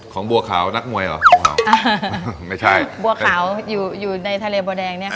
บัวขาวนักมวยเหรออ่าไม่ใช่บัวขาวอยู่อยู่ในทะเลบัวแดงเนี่ยค่ะ